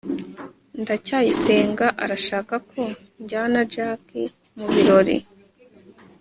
ndacyayisenga arashaka ko njyana jaki mubirori